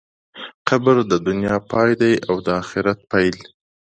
قبر د دنیا پای دی او د آخرت پیل.